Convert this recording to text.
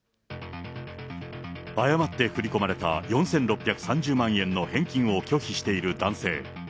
誤って振り込まれた４６３０万円の返金を拒否している男性。